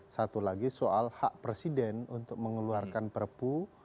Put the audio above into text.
satu lagi soal hak presiden untuk mengeluarkan perpu